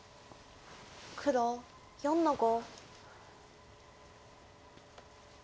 黒４の五。